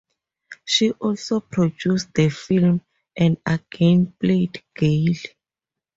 She also produced the film, and again played Gail.